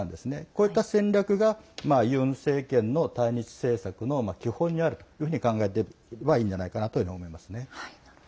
こういった戦略がユン政権の対日政策の基本にあるというふうに考えていいんじゃないかなというのは思いますね。